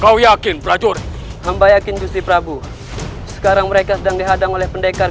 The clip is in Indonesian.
kau yakin berjurut hamba yakin gusiprabu sekarang mereka sedang dihadang oleh pendekar